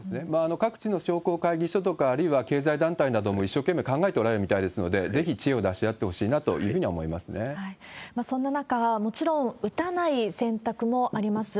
各地の商工会議所とかあるいは経済団体なども一生懸命考えておられるみたいですので、ぜひ知恵を出し合ってほしいなというふそんな中、もちろん打たない選択もあります。